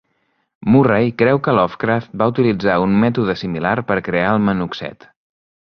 Murray creu que Lovecraft va utilitzar un mètode similar per crear el "Manuxet".